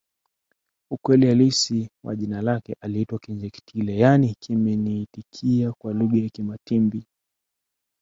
ukweli halisi wa jina lake aliitwa Kinjeketile yaani kimeniitikia kwa lugha ya Kimatumbi